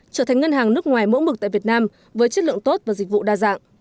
trở thành ngân hàng nước ngoài mẫu mực tại việt nam với chất lượng tốt và dịch vụ đa dạng